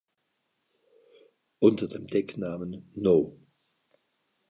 Unter dem Decknamen „No.